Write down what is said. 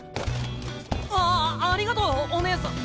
あありがとうおねえさん。